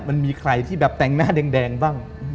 มันมีใครที่แบบแต่งหน้าแดงบ้าง